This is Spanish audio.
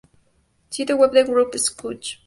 Sitio web de Grupo Schunk